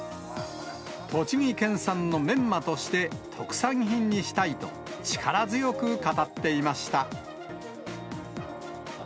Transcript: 栃木県産のメンマとして特産品にしたいと、力強く語っていました。